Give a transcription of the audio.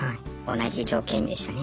同じ条件でしたね。